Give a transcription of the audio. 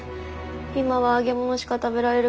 今は揚げ物しか食べられる気がしない。